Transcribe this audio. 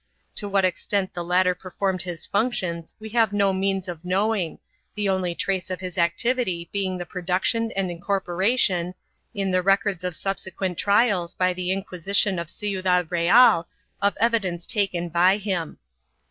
To what extent the latter performed his functions we have no means of knowing, the only trace of his activity being the production and incor poration, in the records of subsequent trials by the Inquisition of Ciudad Real, of evidence taken by him.